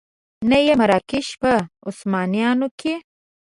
نه یې مراکش په عثمانیانو کې.